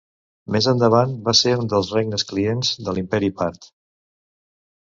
Més endavant va ser un dels regnes clients de l'imperi Part.